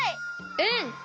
うん！